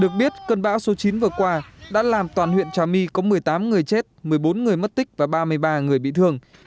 cơn bão số chín vừa qua đã làm toàn huyện trà my có một mươi tám người chết một mươi bốn người mất tích và ba mươi ba người bị thương